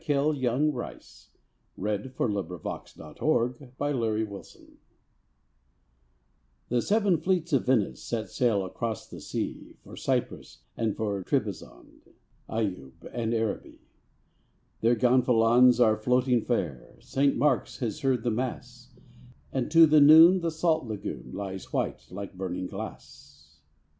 What memories ... have I of it! A SONG OF THE OLD VENETIANS The seven fleets of Venice Set sail across the sea For Cyprus and for Trebizond Ayoub and Araby. Their gonfalons are floating far, St. Mark's has heard the mass, And to the noon the salt lagoon Lies white, like burning glass.